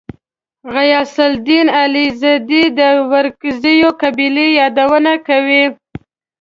غیاث الدین علي یزدي د ورکزیو قبیلې یادونه کوي.